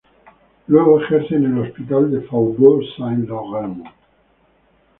Luego ejerce en el Hospital de Faubourg Saint-Laurent.